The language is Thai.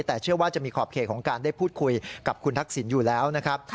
แต่เชื่อว่าจะมีขอบเขตของการได้พูดคุยกับคุณทักษิณอยู่แล้วนะครับ